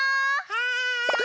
はい！